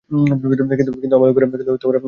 কিন্তু আমার লোকেরা এটা খায়।